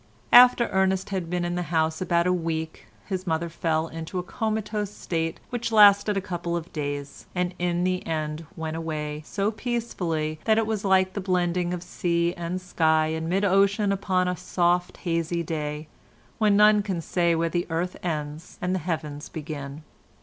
After Ernest had been in the house about a week his mother fell into a comatose state which lasted a couple of days, and in the end went away so peacefully that it was like the blending of sea and sky in mid ocean upon a soft hazy day when none can say where the earth ends and the heavens begin.